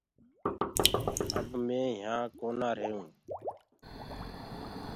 اب مي يهآنٚ ڪونآ ريهئونٚ